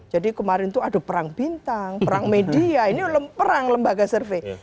jadi kemarin itu ada perang bintang perang media ini perang lembaga survei